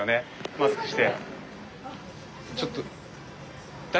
マスクして。